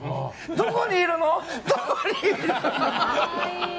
どこにいるの！って。